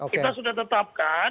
kita sudah tetapkan